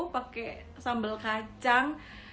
pakai sambal kacang